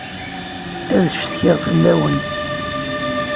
Ad ccetkiɣ fell-awen.